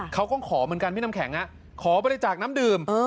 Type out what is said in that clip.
เขาก็ขอเหมือนกันพี่น้ำแข็งขอบริจาคน้ำดื่ม